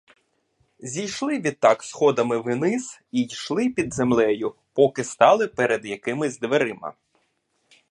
Зійшли відтак сходами вниз і йшли під землею, поки стали перед якимись дверима.